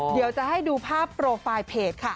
เดี๋ยวจะให้ดูภาพโปรไฟล์เพจค่ะ